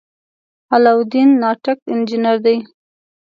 علاالدین ناټک انجنیر دی.